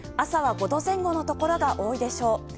朝は５度前後のところが多いでしょう。